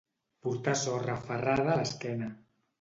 Portar sorra aferrada a l'esquena.